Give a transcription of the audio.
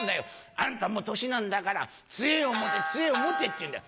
『あんたもう年なんだから杖を持て杖を持て』って言うんだよ。